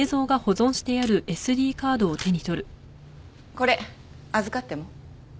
これ預かっても？